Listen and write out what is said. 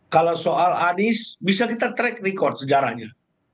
kalau soal anies bisa kita track record sejarahnya